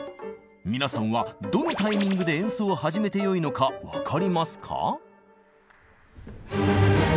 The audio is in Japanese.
皆さんはどのタイミングで演奏を始めてよいのか分かりますか？